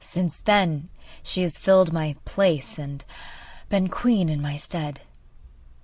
Since then she has filled my place and been queen in my stead.